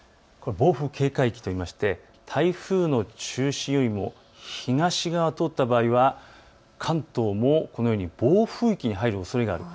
暴風警戒域といいまして台風の中心よりも東側を通った場合は関東も暴風域に入るおそれがあります。